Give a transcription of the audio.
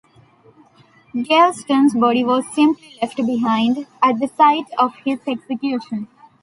Gaveston's body was simply left behind at the site of his execution.